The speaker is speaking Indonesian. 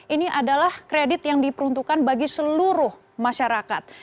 ini adalah kredit yang diperuntukkan bagi seluruh masyarakat